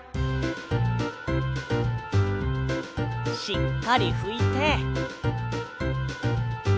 しっかりふいて。